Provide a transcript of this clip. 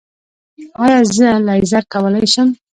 ایا زه لیزر کولی شم؟